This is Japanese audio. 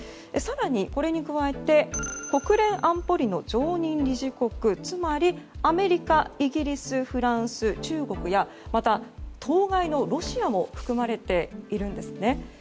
更にこれに加えて国連安保理の常任理事国つまりアメリカ、イギリスフランス、中国やまた、当該のロシアも含まれているんですね。